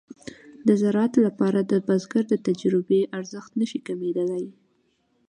د زراعت لپاره د بزګر د تجربې ارزښت نشي کمېدلای.